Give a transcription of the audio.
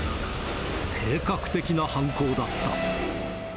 計画的な犯行だった。